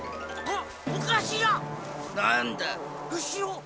あっ！？